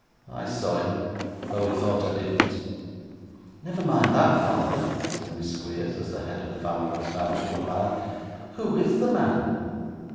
I saw him, though he thought I didn't.' 'Never mind that, father,' said Miss Squeers, as the head of the family was about to reply. 'Who is the man?